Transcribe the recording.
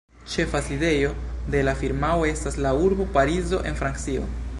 Ĉefa sidejo de la firmao estas la urbo Parizo en Francio.